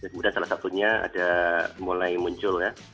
kemudian salah satunya ada mulai muncul ya